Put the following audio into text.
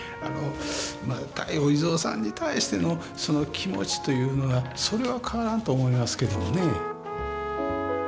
まあ対お地蔵さんに対してのその気持ちというのはそれは変わらんと思いますけどもね。